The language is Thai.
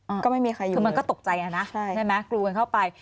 ก็ไม่มีใครอยู่คือมันก็ตกใจอ่ะนะใช่ใช่ไหมกรูกันเข้าไป